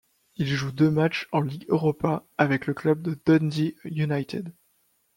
Il joue deux matchs en Ligue Europa avec le club de Dundee United.